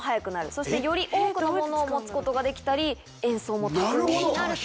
そしてより多くの物を持つことができたり演奏も巧みになると。